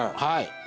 はい。